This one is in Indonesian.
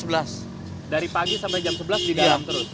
dari pagi sampai jam sebelas di dalam terus